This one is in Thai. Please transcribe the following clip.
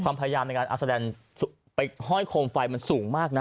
พยายามในการเอาแสดงไปห้อยโคมไฟมันสูงมากนะ